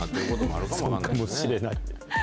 そうかもしれない。